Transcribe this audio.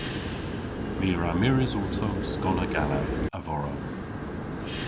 My a wra mires orto skonna gallav a-vorow.